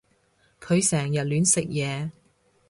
佢成日亂食嘢